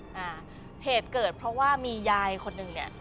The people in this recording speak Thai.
เหตุเกิดเพราะว่ามียายคนหนึ่ง